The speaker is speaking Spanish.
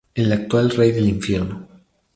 El actual rey del infierno.